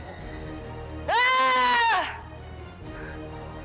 kau tak bisa membunuhku